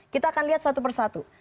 kita akan lihat satu persatu